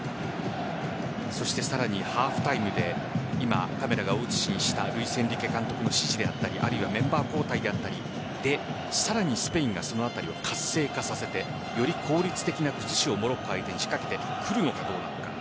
さらにハーフタイムで今、カメラが映したルイスエンリケ監督の指示であったりメンバー交代であったりさらにスペインがその辺りを活性化させてより効率的な崩しをモロッコ相手に仕掛けてくるのかどうか。